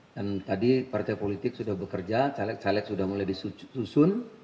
dan tadi partai politik sudah bekerja caleg caleg sudah mulai disusun